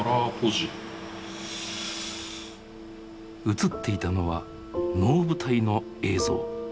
映っていたのは能舞台の映像。